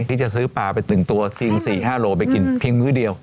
ที่จะซื้อปลาเป็น๑ตัว๔๕โลไปกินพิมพ์มื้อเดียว